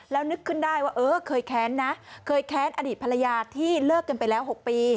แล้วนึกขึ้นได้ว่าเออเคยแค้นนะเคยแค้นอดีตภรรยาที่เลิกกันไปแล้ว๖ปี